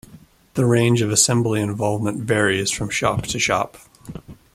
The range of assembly involvement varies from shop to shop.